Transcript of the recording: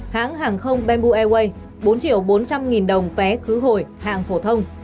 hãng hàng không bamboo airways bốn bốn trăm linh đồng vé khứ hồi hạng phổ thông